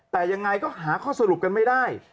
แต่ยังไงก็หาข้อสรุปกันไม่ได้